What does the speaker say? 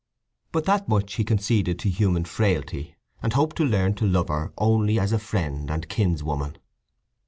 But that much he conceded to human frailty, and hoped to learn to love her only as a friend and kinswoman.